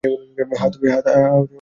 হ্যাঁ, তুমি আমি কেনো?